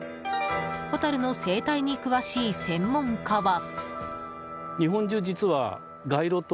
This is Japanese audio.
ホタルの生態に詳しい専門家は。